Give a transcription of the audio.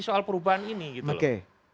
soal perubahan ini gitu loh